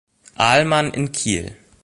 Ahlmann" in Kiel.